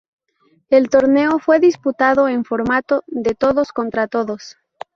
El torneo fue disputado en formato de todos contra todos.